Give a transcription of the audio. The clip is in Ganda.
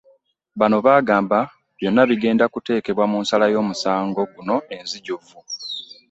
Bano bagamba byonna bigenda kuteekebwa mu nsala y'omusango guno enzijuvu.